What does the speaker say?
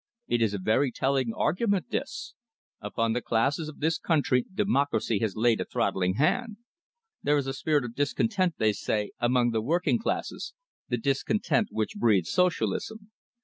It is a very telling argument, this. Upon the classes of this country, democracy has laid a throttling hand. There is a spirit of discontent, they say, among the working classes, the discontent which breeds socialism.